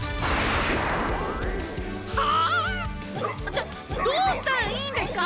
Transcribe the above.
ちょっどうしたらいいんですか？